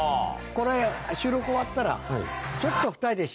これ収録終わったらちょっと。